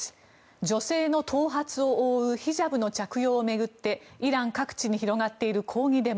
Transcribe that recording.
女性の頭髪を覆うヒジャブの着用を巡ってイラン各地に広がっている抗議デモ。